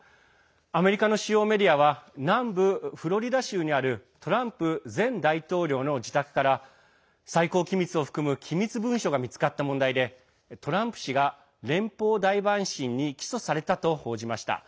アメリカの主要メディアは南部フロリダ州にあるトランプ前大統領の自宅から最高機密を含む機密文書が見つかった問題でトランプ氏が連邦大陪審に起訴されたと報じられました。